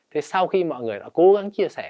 thế sau khi mọi người đã cố gắng chia sẻ